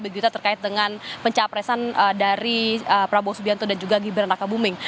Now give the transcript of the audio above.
begitu terkait dengan pencapresan dari prabowo subianto dan juga gibran raka buming